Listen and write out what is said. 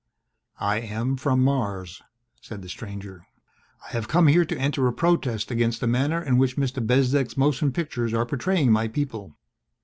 "I am from Mars," said the stranger. "I have come here to enter a protest against the manner in which Mr. Bezdek's motion pictures are portraying my people."